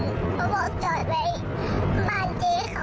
เขาบอกจอดไว้บ้านเจ๊เขา